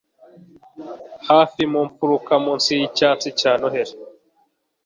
hafi mu mfuruka, munsi yicyatsi cya noheri